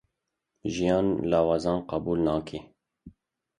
Jiyan lawazan qebûl nake.